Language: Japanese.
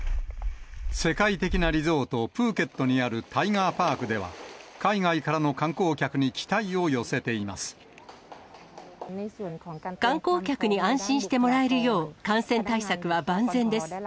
世界的なリゾート、プーケットにあるタイガー・パークでは、海外からの観光客に期待観光客に安心してもらえるよう、感染対策は万全です。